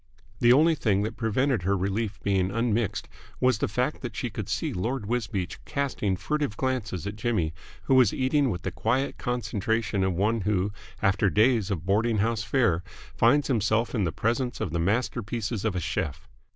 The only thing that prevented her relief being unmixed was the fact that she could see Lord Wisbeach casting furtive glances at Jimmy, who was eating with the quiet concentration of one who, after days of boarding house fare, finds himself in the presence of the masterpieces of a chef.